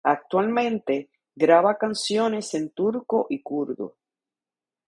Actualmente, graba canciones en turco y kurdo.